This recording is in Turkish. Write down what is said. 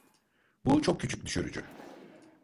Bu çok küçük düşürücü.